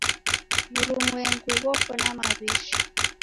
W'urumwengu ghoko na mawishi